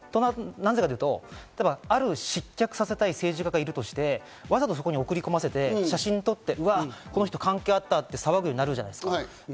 なぜかというと、失脚させたい政治家がいるとして、わざとそこに送り込ませて写真を撮って、うわ、この人関係あったと騒ぐようになるじゃないですか。